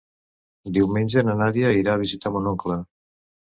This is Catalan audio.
Diumenge na Nàdia irà a visitar mon oncle.